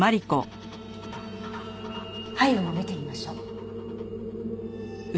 背部も見てみましょう。